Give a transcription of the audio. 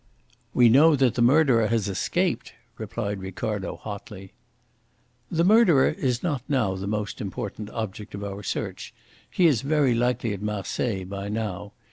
"We know that the murderer has escaped," replied Ricardo hotly. "The murderer is not now the most important object of our search. He is very likely at Marseilles by now.